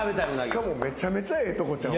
しかもめちゃめちゃええとこちゃう？